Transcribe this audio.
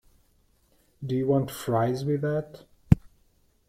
Do you want fries with that?